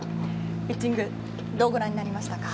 ピッチング、どうご覧になりましたか？